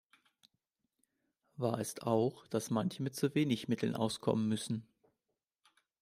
Wahr ist auch, dass manche mit zu wenig Mitteln auskommen müssen.